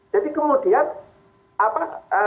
jadi kemudian apa